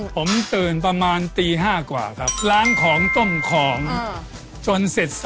เฮียตื่นกี่โมงวันนึง